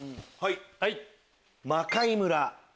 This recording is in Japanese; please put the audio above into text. はい！